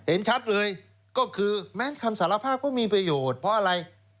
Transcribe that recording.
เห็นชัดเลยก็คือแม้คำสารภาพก็มีประโยชน์เพราะอะไร